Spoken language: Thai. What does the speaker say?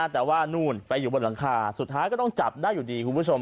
แต่ว่านู่นไปอยู่บนหลังคาสุดท้ายก็ต้องจับได้อยู่ดีคุณผู้ชม